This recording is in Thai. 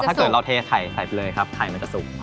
ถ้าเกิดเราเทไข่ใส่ไปเลยครับไข่มันจะสุก